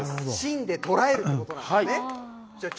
芯で捉えるってことなんですね。